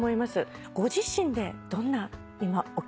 ご自身でどんな今お気持ちですか？